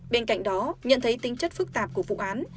bên cạnh đó nhận thấy tính chất phức tạp của vụ án